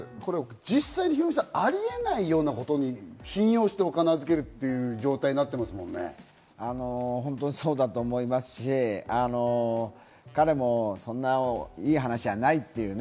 実際、ヒロミさん、ありえないようなことに信用して、お金を預け本当にそうだと思いますし、彼もそんな、いい話はないっていうね。